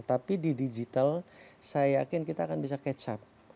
tapi di digital saya yakin kita akan bisa catch up